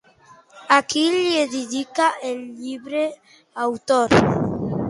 A qui li dedica el llibre l'autor?